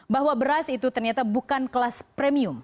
bahwa beras itu ternyata bukan kelas premium